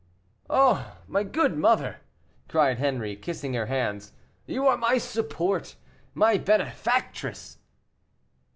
"Oh, my good mother!" cried Henri, kissing her hands, "you are my support, my benefactress!"